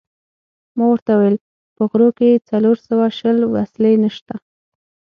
ما ورته وویل: په غرو کې څلور سوه شل وسلې نشته.